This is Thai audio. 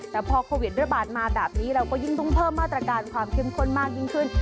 แต่พอโควิดระบาดมาแบบนี้เราก็ยิ่งต้องเพิ่มมาตรการความเข้มข้นมากยิ่งขึ้น